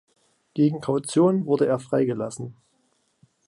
Gegen Kaution wurde er freigelassen.